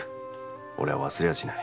俺は忘れはしない。